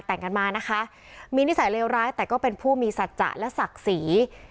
แต่งกันมานะคะมีนิสัยเลวร้ายแต่ก็เป็นผู้มีสัจจะและศักดิ์ศรี